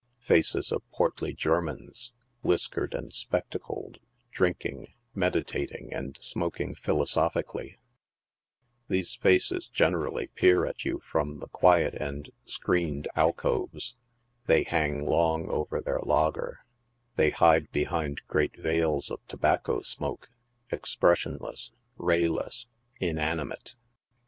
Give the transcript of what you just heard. Faces of portly Germans, whiskered and spectacled, drinking, meditating and smoking philosophically ; these faces generally peer at you from the quiet and screened alcoves, they hang long over their lager, they hide behind great veils of tobacco smoke, expressionless, ray less, inanimate.